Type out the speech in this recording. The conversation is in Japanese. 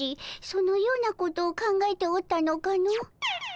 そのようなことを考えておったのかの？